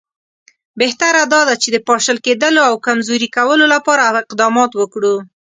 بهتره دا ده چې د پاشل کېدلو او کمزوري کولو لپاره اقدامات وکړو.